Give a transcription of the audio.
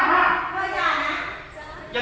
คุณค่ะ